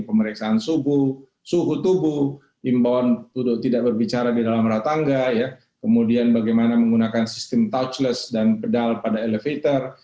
pemeriksaan suhu suhu tubuh imbauan tidak berbicara di dalam ratangga kemudian bagaimana menggunakan sistem touchless dan pedal pada elevator